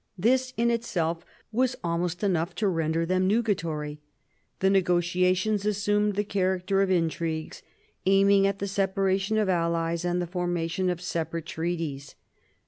This in itself was almost enough to render them nugatory. The negotiations assumed the character of intrigues, aiming at the separation of allies and the formation of separate treaties.